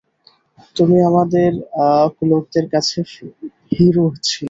তুমি আমাদের লোকদের কাছে হিরো ছিলে।